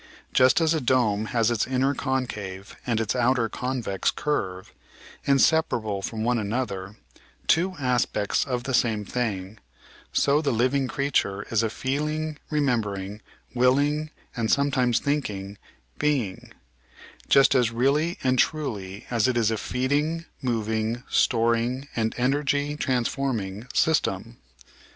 Just as a dome has its inner concave and its outer convex curve, inseparable from one another, two aspects of the same thing, so the living creature is a feeling, remembering, willing, and some times thinking being, just as really and truly as it is a feeding, moving, storing, and energy transforming system.